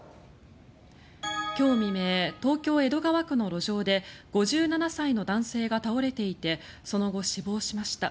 今日未明東京・江戸川区の路上で５７歳の男性が倒れていてその後、死亡しました。